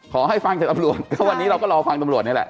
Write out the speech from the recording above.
ฟังจากตำรวจก็วันนี้เราก็รอฟังตำรวจนี่แหละ